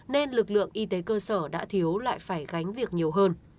nên lực lượng y tế cơ sở đã thiếu lại phải gánh việc nhiều hơn